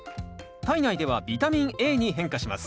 体内ではビタミンＡに変化します。